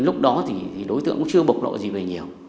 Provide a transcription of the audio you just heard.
lúc đó thì đối tượng cũng chưa bộc lộ gì về nhiều